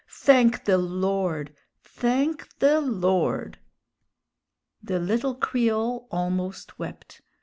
Thank the Lord! Thank the Lord!" The little Creole almost wept.